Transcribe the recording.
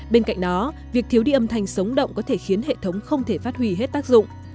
bên cạnh đó việc thiếu đi âm thanh sống động có thể khiến hệ thống không thể phát hủy hết tác dụng